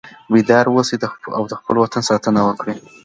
بیدار اوسئ او د خپل وطن ساتنه وکړئ.